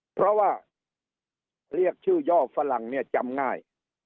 เพราะว่าเรียกชื่อย่อฝรั่งเนี่ยจำง่าย